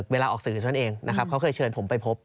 เวลาออกสื่อเท่านั้นเองนะครับเขาเคยเชิญผมไปพบ